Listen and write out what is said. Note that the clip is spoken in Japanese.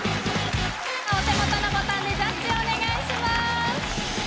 お手元のボタンでジャッジお願いします